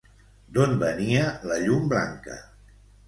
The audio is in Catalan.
D'on venia la llum blanca?